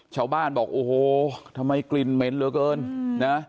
ชาวบ้านบอกโอ้โหทำไมกลิ่นเหม็นเหลือเกินนะ